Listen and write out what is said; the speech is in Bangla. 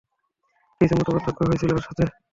কিছু মতপার্থক্য হয়েছিল ওর সাথে।